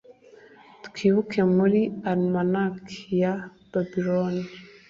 Twibuke muri almanac ya Babiloni